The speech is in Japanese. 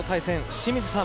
清水さん